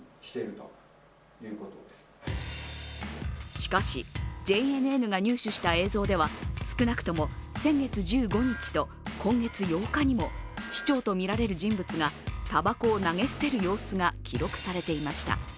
しかし、ＪＮＮが入手した映像では少なくとも先月１５日と今月８日にも市長とみられる人物がたばこを投げ捨てる様子が記録されていました。